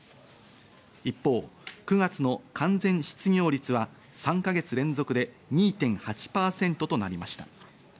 一方、９月の完全失業率は３か月連続で２．８％となりました。